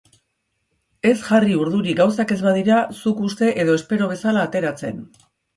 Ez jarri urduri gauzak ez badira zuk uste edo espero bezala ateratzen.